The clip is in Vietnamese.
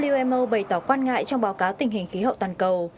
umo bày tỏ quan ngại trong báo cáo tình hình khí hậu toàn cầu